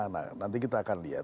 nah nanti kita akan lihat